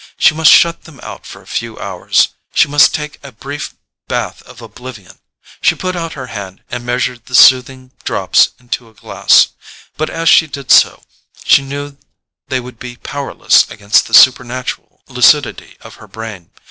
She must shut them out for a few hours; she must take a brief bath of oblivion. She put out her hand, and measured the soothing drops into a glass; but as she did so, she knew they would be powerless against the supernatural lucidity of her brain.